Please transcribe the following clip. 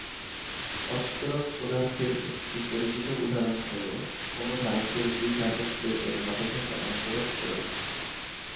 অস্তরক পদার্থের একটি পরিচিত উদাহরণ হলো, কোন ধারকের দুই ধাতব প্লেটের মাঝে থাকা অন্তরক পদার্থ।